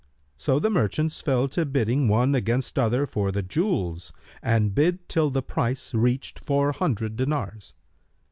So the merchants fell to bidding one against other for the jewels and bid till the price reached four hundred dinars.